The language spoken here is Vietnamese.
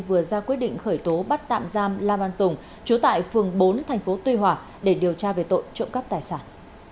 vừa ra quyết định khởi tố bắt tạm giam la văn tùng chú tại phường bốn thành phố tuy hòa để điều tra về tội trộm cắp tài sản